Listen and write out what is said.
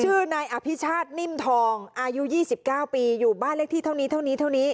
ชื่อนายอภิชาตินิ่มทองอายุ๒๙ปีอยู่บ้านเลขที่เท่านี้เท่านี้เท่านี้